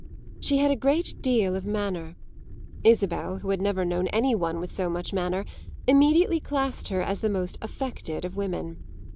She had a great deal of manner; Isabel, who had never known any one with so much manner, immediately classed her as the most affected of women.